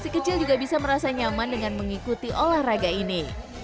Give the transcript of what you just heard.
si kecil juga bisa merasa nyaman dengan mengikuti olahraga ini